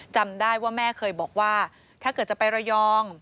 จำได้ว่าแม่เคยบอกว่าถ้าเกิดจะไประยอง